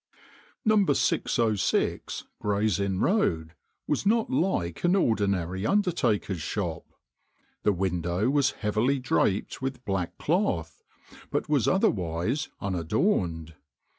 No. 606, Gray's Inn Road, was not like an ordinary undertaker's shop. The window was heavily draped with black cloth, but was otherwise unadorned.